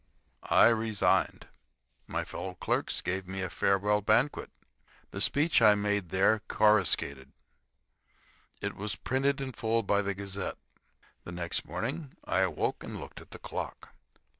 I resigned. My fellow clerks gave me a farewell banquet. The speech I made there coruscated. It was printed in full by the Gazette. The next morning I awoke and looked at the clock.